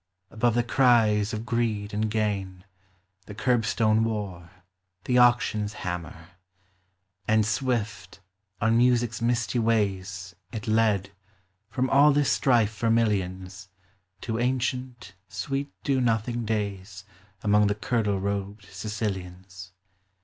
Above the cries of greed and gain, The curbstone war, the auction's hammer ; And swift, on Music's misty ways, It led, from all this strife for millions, To ancient, sweet do nothing days Among the kirtle robed Sicilians.